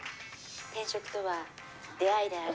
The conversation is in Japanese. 転職とは出合いであり。